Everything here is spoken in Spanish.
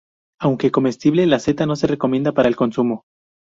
Aunque comestible, la seta no se recomienda para el consumo.